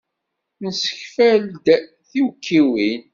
Nessekfal-d tiwekkiwin.